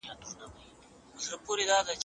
ادبیات د منځپانګې له مخې په دوه ډوله وېشل کيږي.